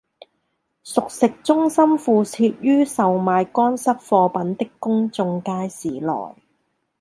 熟食中心附設於售賣乾濕貨品的公眾街市內